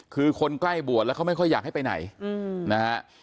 คือคนใกล้บวชแล้วเขาไม่ค่อยอยากให้ไปไหนนะฮะ